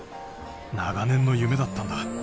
長年の夢だったんだ。